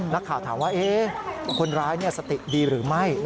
นักข่าวถามว่าคนร้ายสติดีหรือไม่